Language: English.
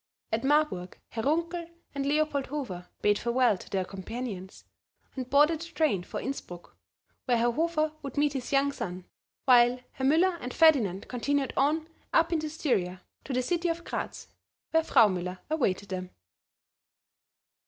At Marburg, Herr Runkel and Leopold Hofer bade farewell to their companions, and boarded the train for Innsbruck where Herr Hofer would meet his young son; while Herr Müller and Ferdinand continued on up into Styria to the city of Gratz, where Frau Müller awaited them.